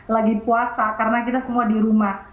lagi puasa karena kita semua di rumah